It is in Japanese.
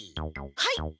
はい！